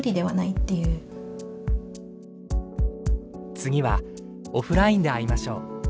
「次はオフラインで会いましょう」。